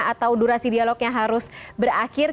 atau durasi dialognya harus berakhir